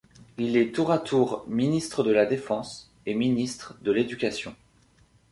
Il est tour à tour ministre de la Défense et ministre de l'Éducation.